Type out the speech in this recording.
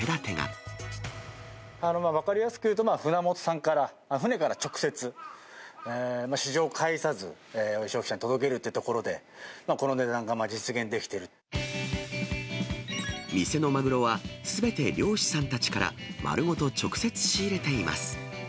分かりやすくいうと、船元さんから、船から直接、市場を介さず消費者に届けるっていうところで、この値段が実現で店のマグロは、すべて漁師さんたちから、丸ごと直接仕入れています。